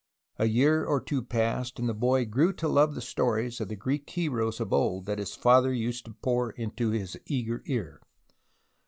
A year or two passed, and the boy grew to love the stories of the Greek heroes of old that his father used to pour into his eager ear.